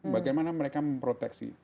bagaimana mereka memproteksi